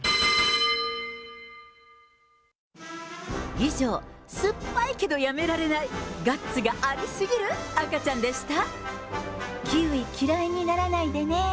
以上、酸っぱいけどやめられない、ガッツがあり過ぎる赤ちゃんでした。